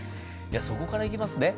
そこからいきますね。